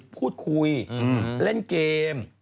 พูดคุยเล่นเกม